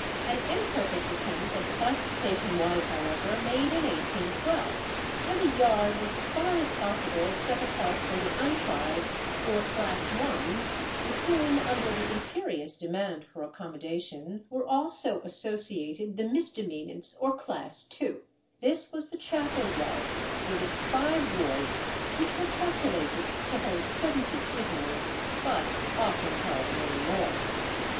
An imperfect attempt at classification was, however, made in 1812, and a yard was as far as possible set apart for the untried, or class (1), with whom, under the imperious demand for accommodation, were also associated the misdemeanants, or class (2). This was the chapel yard, with its five wards, which were calculated to hold seventy prisoners, but often held many more.